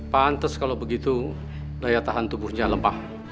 pantes kalau begitu daya tahan tubuhnya lemah